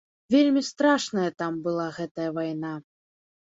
Вельмі страшная там была гэтая вайна.